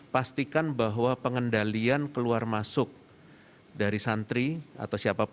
pastikan bahwa pengendalian keluar masuk dari santri